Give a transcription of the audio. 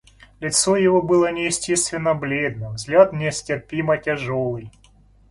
Лицо его было неестественно бледно, взгляд нестерпимо тяжелый.